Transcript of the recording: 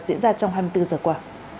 diễn ra trong hai mươi bốn giờ qua